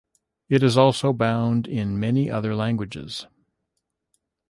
It is also bound in many other languages.